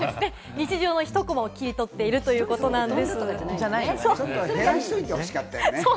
日常のひとコマを切り取っているということです。